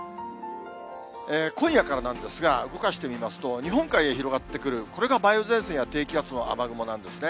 今夜からなんですが、動かしてみますと、日本海へ広がってくる、これが梅雨前線や低気圧の雨雲なんですね。